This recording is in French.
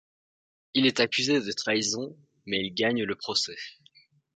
Il est accusé de trahison, mais il gagne le procès.